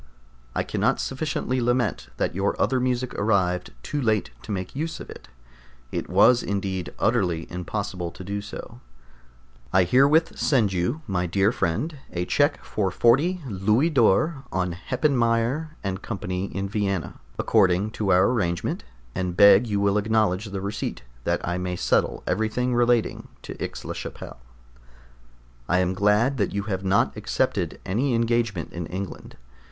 I cannot sufficiently lament that your other music arrived too late to make use of it. It was indeed utterly impossible to do so. I herewith send you, my dear friend, a check for 40 Louis d'or on Heppenmayer & Co. in Vienna, according to our agreement, and beg you will acknowledge the receipt, that I may settle everything relating to Aix la Chapelle. I am glad that you have not accepted any engagement in England.